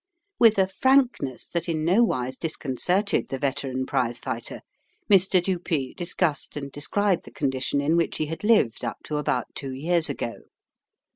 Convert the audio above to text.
With a frankness that in no wise disconcerted the veteran prizefighter, Mr. Dupee discussed and described the condition in which he had lived up to about two years ago.